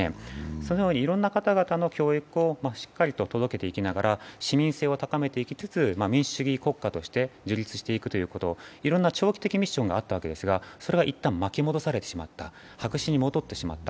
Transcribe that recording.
そのようにいろいろな方々の教育をしっかりと届けていきながら、市民性を高めていきつつ、民主主義国家として樹立していくということ、いろんな長期的ミッションがあったわけですが、それがいったん巻き戻されてしまった、白紙に戻ってしまった。